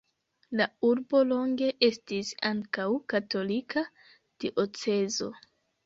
La urbo longe estis ankaŭ katolika diocezo.